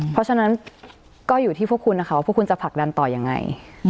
เพราะฉะนั้นก็อยู่ที่พวกคุณนะคะว่าพวกคุณจะผลักดันต่อยังไง